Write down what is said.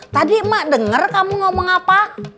tadi mak denger kamu ngomong apa